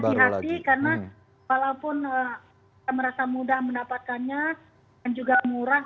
jadi hati hati karena walaupun merasa mudah mendapatkannya dan juga murah